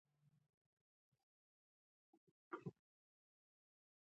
علم د انسان ستره وسيله ده.